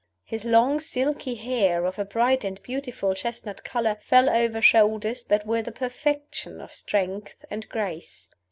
His long silky hair, of a bright and beautiful chestnut color, fell over shoulders that were the perfection of strength and grace.